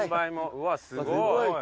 うわすごい。